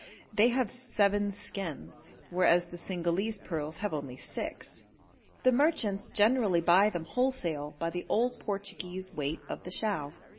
They have seven skins, whereas the Cingalese pearls have only six. The merchants generally buy them wholesale by the old Portuguese weight of the chao.